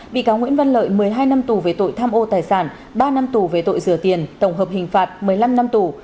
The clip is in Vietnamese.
bị cáo nguyễn văn lợi một mươi hai năm tù về tội tham ô tài sản ba năm tù về tội rửa tiền tổng hợp hình phạt một mươi năm năm tù